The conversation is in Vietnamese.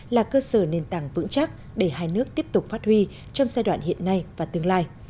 là cơ sở nền tảng vững chắc để hai nước tiếp tục phát huy trong giai đoạn hiện nay và tương lai